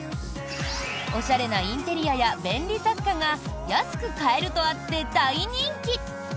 おしゃれなインテリアや便利雑貨が安く買えるとあって大人気。